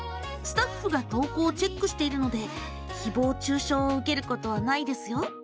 スタッフが投稿をチェックしているのでひぼう中しょうを受けることはないですよ。